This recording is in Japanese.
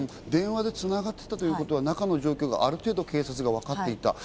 電話で繋がっていたということは中の状況がある程度、警察はわかっていた。